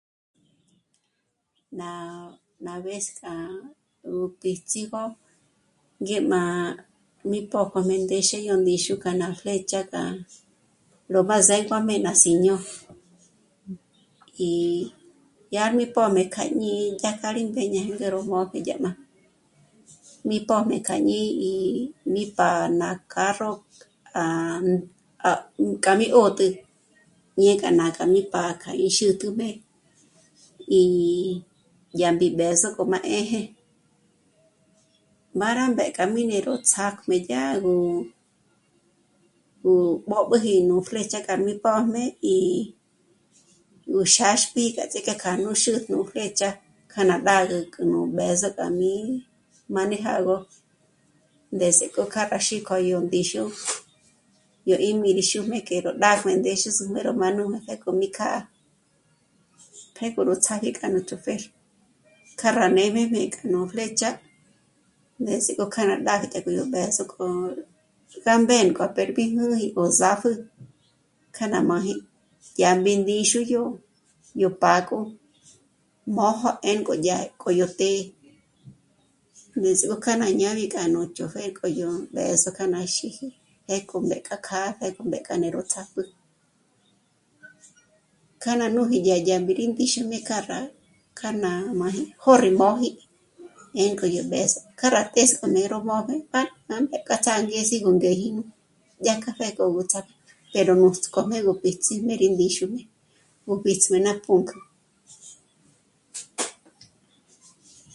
Má, ná vez k'a nú píts'ígö ngé má mí pö́jü nú ndéxi yó ndíxu k'a ná flécha k'a ró ná b'ázéngojmé ná Siño í yá mí pö̌m'e kja jñí'i dyájkja gí mbéñe ró ndé'e ró móji dyá má'a. Mí pö̌jmé kja jñí'i ní í pa ná carro k'a ní 'ö́tü ñé k'a ná k'a mí pá'a k'a rí xǚtjüjmé í dyámbi b'ë̌zo k'o má 'ë́jë. Má rá mbék'a mí né'e ró ts'ájmé yá gú, nú mbób'üji nú flécha k'a mí pójmé í nú xâxti k'a ts'íjk'e k'a nú xúju nú flécha k'a ná mbâgü kja nú b'ë̌zo k'a mí manejágö, ndés'e k'o kâraxi k'o yó ndíxu, yó í mí rí xú'm'e k'e ro ndájm'ü ndéxüzü mán'u pjék'o mí kjâ'a, pjék'o nú ts'áji k'a nú chofer k'a rá mêm'ejmé k'a nú flecha ndés'ek'o k'a rá ndájne dyá k'o nú b'ë̌zo k'a nú... gá mbérk'o mbérp'i núgi gó ts'ápjü k'a nà máji yá mbí ndíxu yó, yó pǎk'o, môjo 'ë́nk'o dyá k'o yó të́'ë, ndizik'o yá nà ñabi k'a nú chofer k'o yó b'ë̌zo k'a ná xíji, pjék'o mbék'a kjâ'a, pjék'o mbék'a rá né'e ró ts'ápjü. K'a rá núji yá dyámbi yó ndíxu mé k'a rá, k'a ná máji jö̌'ö rí móji 'ë́nk'o yó b'ë̌zo k'a rá tésk'ojmé ró móju pá'a ngék'a ts'ángi angezi gú ngéji, dyájkja pjék'o gú ts'ápjü pero nuts'k'ojmé gú píts'i mé'e rí mí'xujmé, gú píts'i ná pǔnk'ü